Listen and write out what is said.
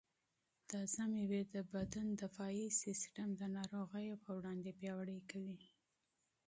تازه مېوې د بدن دفاعي سیسټم د ناروغیو پر وړاندې پیاوړی کوي.